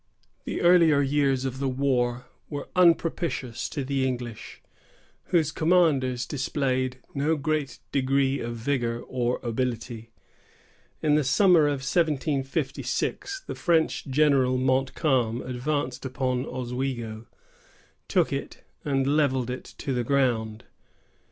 The earlier years of the war were unpropitious to the English, whose commanders displayed no great degree of vigor or ability. In the summer of 1756, the French general Montcalm advanced upon Oswego, took it, and levelled it to the ground.